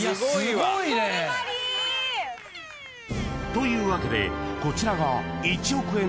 ［というわけでこちらが］